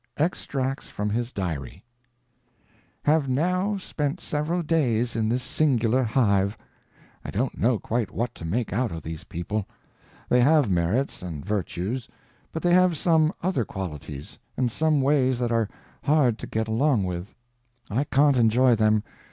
Extracts from his diary: Have now spent several days in this singular hive. I don't know quite what to make out of these people. They have merits and virtues, but they have some other qualities, and some ways that are hard to get along with. I can't enjoy them.